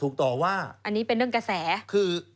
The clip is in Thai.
ค่ะอันนี้เป็นเรื่องกระแสถูกต่อว่า